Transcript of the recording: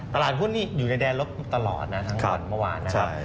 ตลาดหุ้นนี่อยู่ในแดนลบตลอดนะทั้งวันเมื่อวานนะครับ